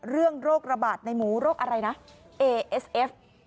โรคระบาดในหมูโรคอะไรนะเอเอสเอฟ